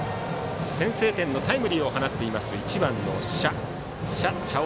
先制点のタイムリーを放っている、１番の謝喬恩。